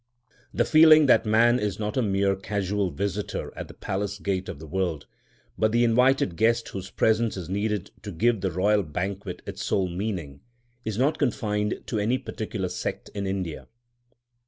The feeling that man is not a mere casual visitor at the palace gate of the world, but the invited guest whose presence is needed to give the royal banquet its sole meaning, is not confined to any particular sect in India.